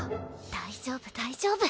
大丈夫大丈夫。